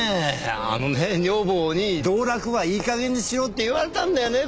あのね女房に道楽はいい加減にしろって言われたんだよね